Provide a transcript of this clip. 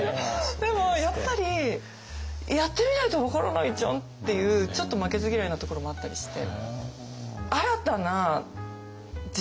でもやっぱりやってみないと分からないじゃんっていうちょっと負けず嫌いなところもあったりして。